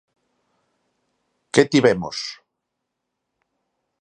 ¿Que tivemos?